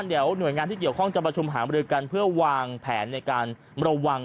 เดี๋ยวหน่วยงานที่เกี่ยวข้องจะประชุมหามรือกันเพื่อวางแผนในการระวัง